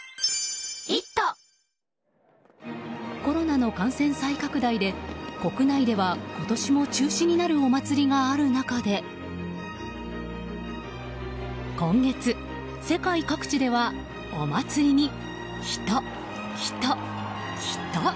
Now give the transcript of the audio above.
コロナの感染再拡大で国内では今年も中止になるお祭りがある中で今月、世界各地ではお祭りに人、人、人。